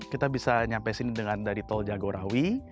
kita bisa nyampe sini dengan dari tol jagow rawi